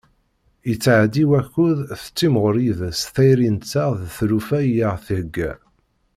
Yettɛeddi wakud tettimɣur yid-s tayri-nteɣ d tlufa i aɣ-d-thegga.